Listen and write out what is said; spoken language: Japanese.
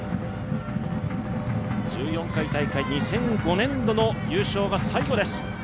１４回大会２００５年度の優勝が最後です。